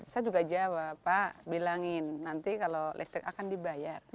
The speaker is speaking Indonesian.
saya juga jawab pak bilangin nanti kalau listrik akan dibayar